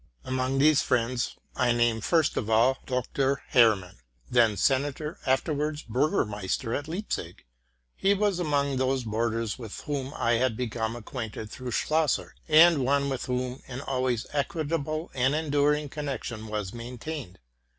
Among these friends I name first of all Docter Hermann, then senator, afterwards burgomaster at Leipzig. He was among those boarders with w hom I had become acquainted through Schlosser, the one with whom an always equable and enduring connection was maintained.